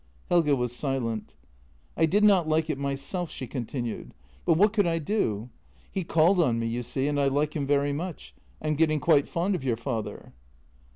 " Helge was silent. " I did not like it myself," she continued. " But what could I do? He called on me, you see, and I like him very much. I am getting quite fond of your father."